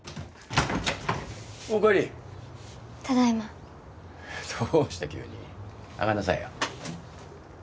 お帰りただいまどうした急に上がんなさいよ